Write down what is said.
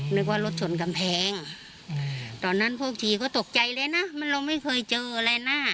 นึกว่ารถชนกำแพงตอนนั้นพวกทีก็ตกใจเลยนะเราไม่เคยเจออะไรนะ